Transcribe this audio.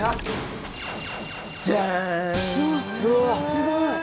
すごい。